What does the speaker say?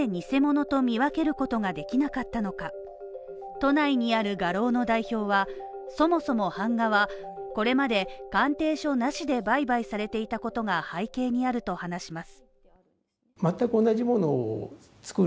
都内にある画廊の代表は、そもそも版画はこれまで、鑑定書なしで売買されていたことが背景にあると話します。